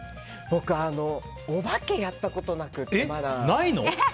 僕、お化けやったことなくてまだ。